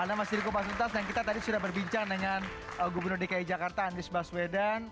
anak anak mas riko pasuntas dan kita tadi sudah berbincang dengan gubernur dki jakarta andris baswedan